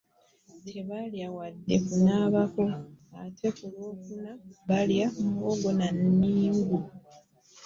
Tebalya wadde okunaabako ate ku Lwokuna balya muwogo na nningu.